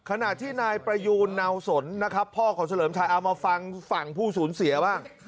ขณะที่นายประยูนเนาสนนะครับพ่อของเฉลิมชัยเอามาฟังฝั่งผู้สูญเสียบ้าง